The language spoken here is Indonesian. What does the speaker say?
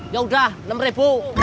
yaudah enam ribu